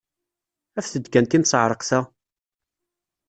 Afet-d kan timseɛṛeqt-a!